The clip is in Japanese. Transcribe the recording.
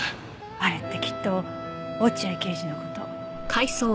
あれってきっと落合刑事の事。